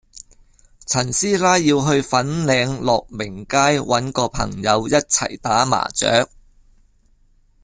陳師奶要去粉嶺樂鳴街搵個朋友一齊打麻雀